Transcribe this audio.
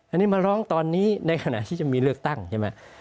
อันนี้มาร้องตอนนี้ในขณะที่จะมีเลือกตั้งใช่ไหม